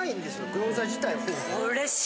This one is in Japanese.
餃子自体は。